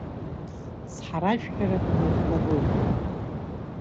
Цҳаражәҳәарак мҩаԥнагоит.